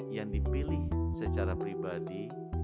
yang dipilih secara pribadi